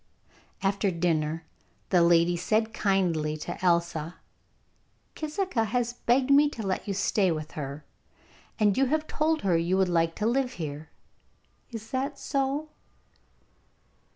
After dinner the lady said kindly to Elsa, 'Kisika has begged me to let you stay with her, and you have told her you would like to live here. Is that so?